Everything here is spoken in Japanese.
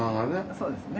そうですね。